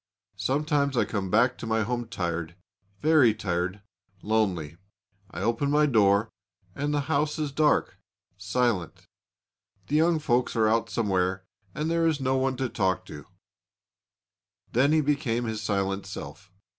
Sometimes I come back to my home tired, very tired lonely. I open my door and the house is dark, silent. The young folks are out somewhere and there is no one to talk to.' Then he became silent himself.